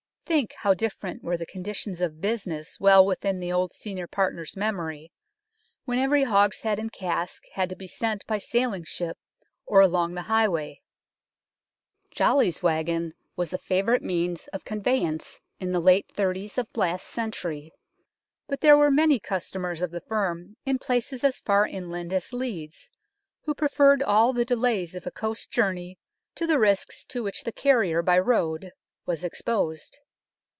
Think how different were the conditions of business well within the old senior partner's memory, when every hogshead and cask had to be sent by sailing ship or along the highway. " Jolly's Wagon " was a favourite means of con veyance in the late thirties of last century, but there were many customers of the firm in places as far inland as Leeds who preferred all the delays of a coast journey to the risks to which the carrier by road was exposed.